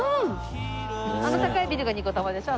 あの高いビルがニコタマでしょ？